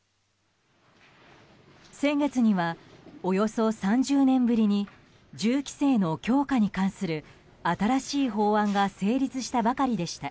先月には、およそ３０年ぶりに銃規制の強化に関する新しい法案が成立したばかりでした。